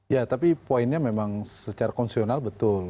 ya tapi poinnya memang secara konsesional betul